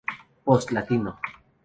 Post Latino.